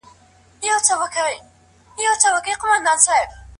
کبان په سیند کې لامبو وهي.